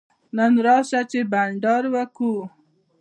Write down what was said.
نن راسه چي بانډار وکو.